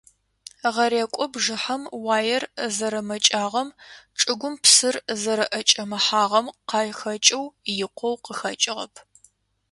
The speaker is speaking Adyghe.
Гъэрекӏо бжьыхьэм уаер зэрэмэкӏагъэм, чӏыгум псыр зэрэӏэкӏэмыхьагъэм къахэкӏэу икъоу къыхэкӏыгъэп.